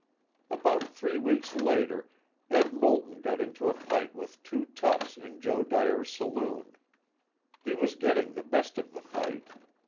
About three weeks later Ed. Moulton got into a fight with two toughs in Joe Dyer's saloon. He was getting the best of the fight.